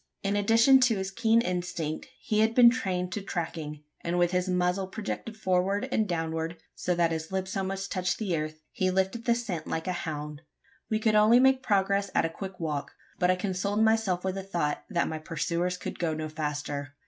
In addition to his keen instinct, he had been trained to tracking; and with his muzzle projected forward and downward so that his lips almost touched the earth he lifted the scent like a hound. We could only make progress at a quick walk; but I consoled myself with the thought that my pursuers could go no faster.